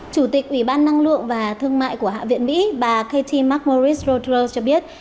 chủ tịch ủy ban năng lượng và thương mại của hạ viện mỹ bà katie mcmorris rothrose cho biết